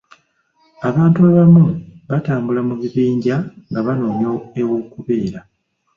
Abantu abamu batambula mu bibinja nga banoonya ew'okubeera.